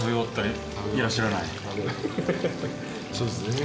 そうですね。